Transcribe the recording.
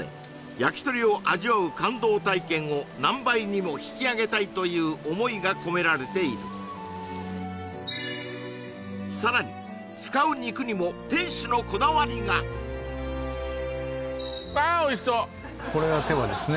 「やきとりを味わう感動体験を何倍にも引き上げたい」という思いが込められているさらに使う肉にも店主のこだわりがわあおいしそうこれは手羽ですね